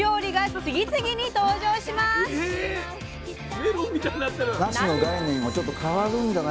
⁉メロンみたいになってる。